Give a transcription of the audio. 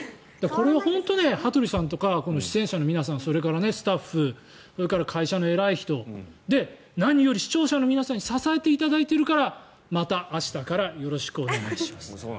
これは本当に羽鳥さんとかこの出演者の皆さんそれからスタッフそれから会社の偉い人何より視聴者に皆さんに支えていただいているからまた明日からよろしくお願いします。